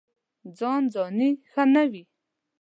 ځان ځاني ښه نه وي.